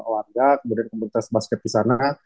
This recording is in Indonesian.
warga kemudian kembali tes basket di sana